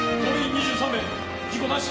２３名事故なし。